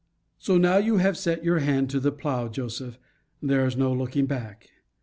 So now you have set your hand to the plough, Joseph, there is no looking back.